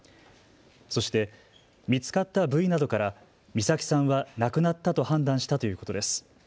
そして見つかった部位などから美咲さんは亡くなったと判断したということです。